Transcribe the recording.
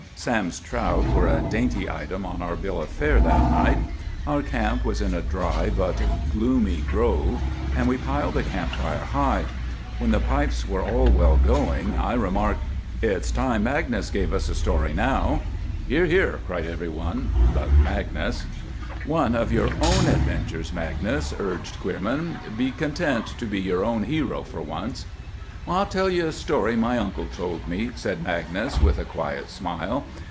Sam's trout were a dainty item on our bill of fare that night. Our camp was in a dry but gloomy grove, and we piled the camp fire high. When the pipes were well going, I remarked,— "It's time Magnus gave us a story now." "Hear! Hear!" cried every one but Magnus. "One of your own adventures, Magnus," urged Queerman. "Be content to be your own hero for once." "I'll tell you a story my uncle told me," said Magnus with a quiet smile.